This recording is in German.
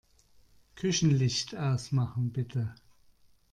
Küchenlicht ausmachen, bitte.